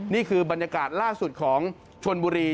นี่คือบรรยากาศล่าสุดของชนบุรี